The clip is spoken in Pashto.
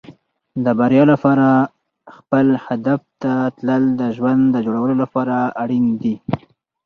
د بریا لپاره خپل هدف ته تلل د ژوند د جوړولو لپاره اړین دي.